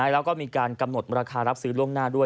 แล้วก็มีการกำหนดราคารับซื้อล่วงหน้าด้วย